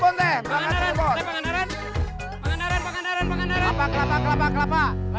kelapa kelapa kelapa kelapa